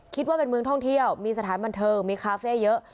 คิดว่าเป็นเมืองท่องเที่ยวมีสถานบันเทิงมีคาเฟ่เยอะ